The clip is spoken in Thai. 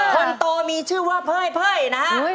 คนโตมีชื่อว่าไพ่นะฮะ